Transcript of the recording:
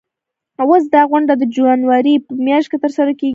اوس دا غونډه د جنوري په میاشت کې ترسره کیږي.